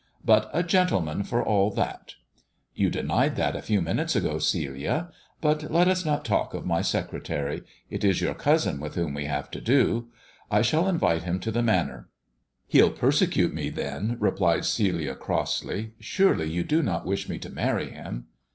" But a gentleman for all that !" "You denied that a few minutes ago, Celia. But let us not talk of my secretary ; it is your cousin with whom we have to do. I shall invite him to the Manor." "He'll persecute me, then," replied Celia crossly. "Surely you do not wish me to marry him."